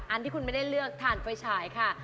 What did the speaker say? อันที่คุณไม่ได้เลือกทานไฟฉายค่ะ